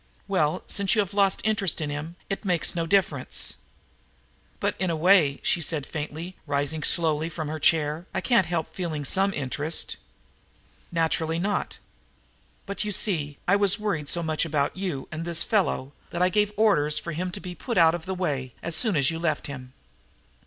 "Well, since you have lost interest in him, it makes no difference." "But in a way," she said faintly, rising slowly from her chair, "I can't help feeling some interest." "Naturally not. But, you see, I was worried so much about you and this foolish fellow that I gave orders for him to be put out of the way, as soon as you left him."